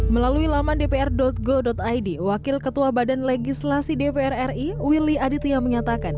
melalui laman dpr go id wakil ketua badan legislasi dpr ri willy aditya menyatakan